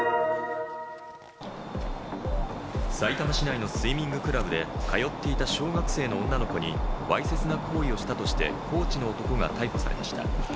さいたま市内のスイミングクラブで通っていた小学生の女の子にわいせつな行為をしたとして、コーチの男が逮捕されました。